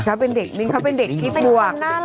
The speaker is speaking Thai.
เขาเป็นเด็กนิ่งเขาเป็นเด็กคิดปวก